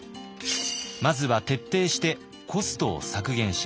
まずは徹底してコストを削減します。